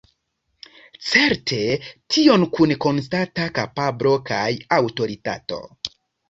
Certe tion kun konstanta kapablo kaj aŭtoritato.